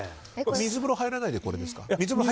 水風呂入らないでこれですか？